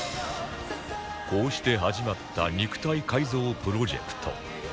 こうして始まった肉体改造プロジェクト